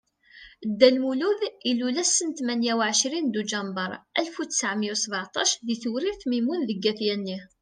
Dda Lmulud ilul ass tmenya u ɛecrin Duǧember Alef u ttɛemya u sbaɛṭac di Tewrirt Mimun deg At Yanni.